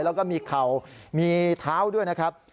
แล้วก็มีเข่ามีเท้าด้วยนะครับ